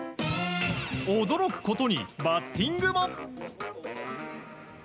驚くことにバッティングも。